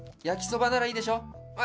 焼きそばならいいでしょ。